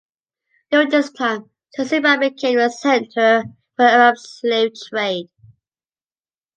During this time, Zanzibar became the centre for the Arab slave trade.